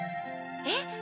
えっ？